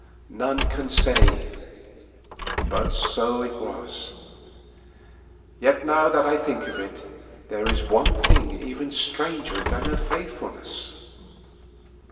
None can say, but so it was. Yet now that I think of it, there is one thing even stranger than her faithfulness.